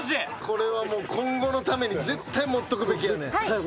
これは今後のために絶対持っとくべきやねん。